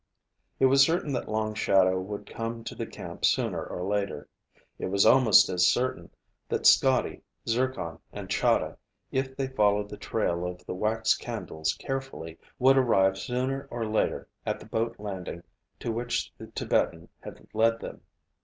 It was certain that Long Shadow would come to the camp sooner or later. It was almost as certain that Scotty, Zircon, and Chahda, if they followed the trail of the wax candles carefully, would arrive sooner or later at the boat landing to which the Tibetan had led him.